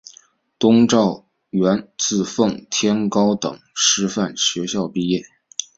佟兆元自奉天高等师范学校毕业。